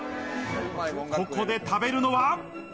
ここで食べるのは。